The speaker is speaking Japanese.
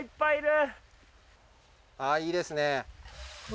いいですね。